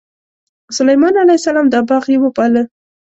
سلیمان علیه السلام دا باغ یې وپاله.